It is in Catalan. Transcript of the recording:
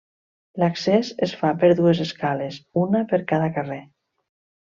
L'accés es fa per dues escales, una per cada carrer.